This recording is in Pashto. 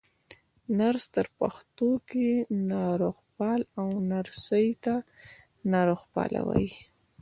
نرس ته په پښتو کې ناروغپال، او نرسې ته ناروغپاله وايي.